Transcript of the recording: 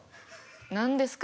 何ですか？